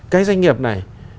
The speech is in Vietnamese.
cái doanh nghiệp này